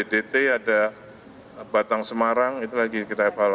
bdt ada batang semarang itu lagi kita evaluasi